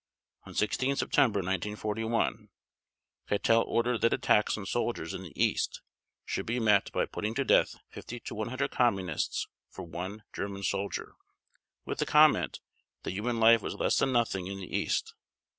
On 16 September 1941 Keitel ordered that attacks on soldiers in the East should be met by putting to death 50 to 100 Communists for one German soldier, with the comment that human life was less than nothing in the East.